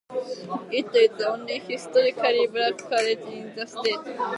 It is the only historically black college in the state.